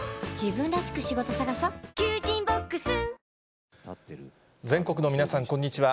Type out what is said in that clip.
「ビオレ」全国の皆さん、こんにちは。